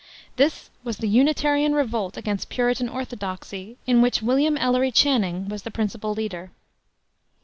This was the Unitarian revolt against Puritan orthodoxy, in which William Ellery Channing was the principal leader.